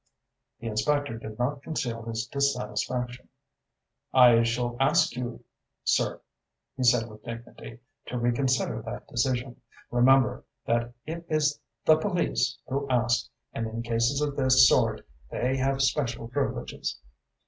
The inspector did not conceal his dissatisfaction. "I shall ask, you, sir," he said with dignity, "to reconsider that decision. Remember that it is the police who ask, and in cases of this sort they have special privileges."